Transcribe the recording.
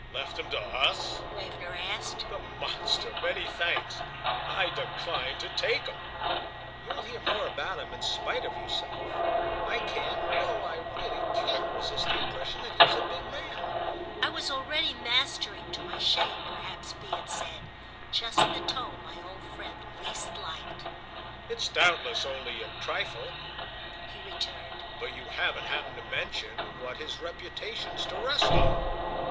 "Left him to us?" Gravener asked. "The monster—many thanks! I decline to take him." "You'll hear more about him in spite of yourself. I can't, no, I really can't resist the impression that he's a big man." I was already mastering—to my shame perhaps be it said—just the tone my old friend least liked. "It's doubtless only a trifle," he returned, "but you haven't happened to mention what his reputation's to rest on."